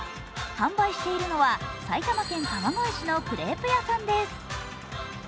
販売しているのは埼玉県川越市のクレープ屋さんです。